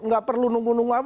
nggak perlu nunggu nunggu apa